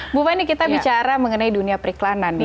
ibu foni kita bicara mengenai dunia periklanan